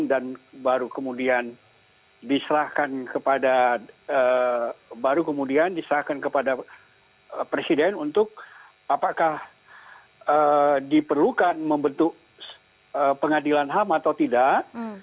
dan baru kemudian diserahkan kepada presiden untuk apakah diperlukan membentuk pengadilan ham atau tidak